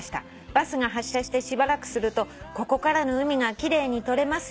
「バスが発車してしばらくすると『ここからの海が奇麗に撮れますよ』と」